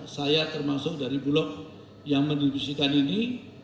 saya termasuk dari bulog yang mendiskusikan ini